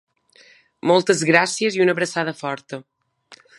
Moltes gràcies i una abraçada forta.